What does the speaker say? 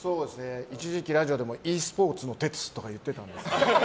一時期ラジオでもｅスポーツのテツとか言ってたんです。